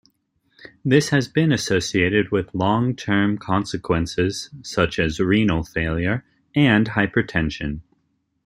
This has been associated with long-term consequences such as renal failure and hypertension.